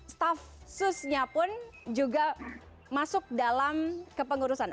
staff susnya pun juga masuk dalam kepengurusan